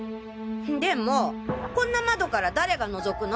でもこんな窓から誰が覗くの？